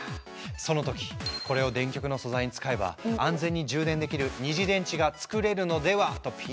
その時「これを電極の素材に使えば安全に充電できる二次電池が作れるのでは？」とピンと来たそう。